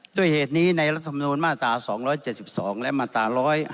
ด้วยเหตุนี้ในรัฐมนูลมาตรา๒๗๒และมาตรา๑๕